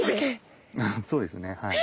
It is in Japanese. そうですねはい。